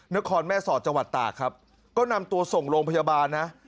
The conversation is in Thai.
นครแม่สอดจังหวัดตากครับก็นำตัวส่งโรงพยาบาลนะ